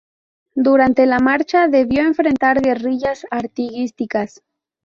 Durante la marcha debió enfrentar guerrillas artiguistas.